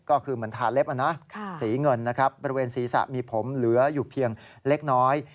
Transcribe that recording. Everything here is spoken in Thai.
ก็คือเหมือนทาเล็บสีเงินนะครับบริเวณศีรษะมีผมเหลืออยู่เพียงเล็กน้อย